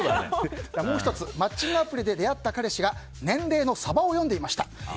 もう１つ、マッチングアプリで出会った彼氏が年齢のさばを読んでいました。